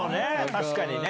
確かにね。